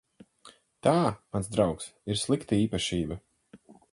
Tā, mans draugs, ir slikta īpašība.